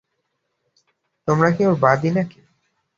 তোমরা কি ওঁর বাঁদী নাকি?